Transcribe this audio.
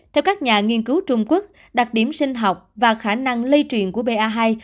theo các nhà nghiên cứu trung quốc đặc điểm sinh học và khả năng lây truyền của ba